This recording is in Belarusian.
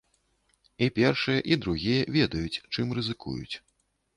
І першыя, і другія ведаюць, чым рызыкуюць.